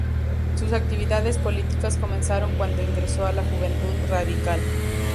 Sus actividades políticas comenzaron cuando ingresó a la Juventud Radical.